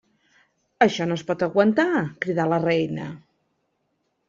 Això no es pot aguantar! —cridà la reina—.